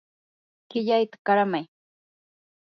qillayta qaramay.